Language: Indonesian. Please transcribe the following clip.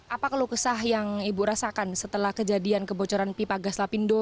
apa keluh kesah yang ibu rasakan setelah kejadian kebocoran pipa gas lapindo